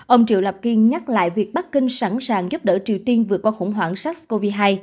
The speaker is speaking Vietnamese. ông triệu lạp kiên nhắc lại việc bắc kinh sẵn sàng giúp đỡ triều tiên vượt qua khủng hoảng sars cov hai